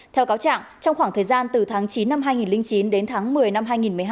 theo cáo trạng trong khoảng thời gian từ tháng chín năm hai nghìn chín đến tháng một mươi năm hai nghìn một mươi hai